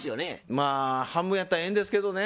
まあ半分やったらええんですけどね。